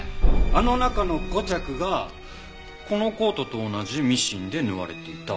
あの中の５着がこのコートと同じミシンで縫われていた。